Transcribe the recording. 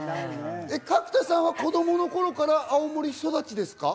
角田さんは子供の頃から青森育ちですか？